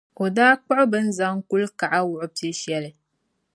o daa kpuɣi bɛ ni zaŋ kulikaɣa wuɣi piɛ’ shɛli.